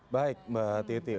baik mbak titi